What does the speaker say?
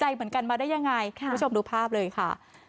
เหมือนกันมาได้ยังไงคุณผู้ชมดูภาพเลยค่ะ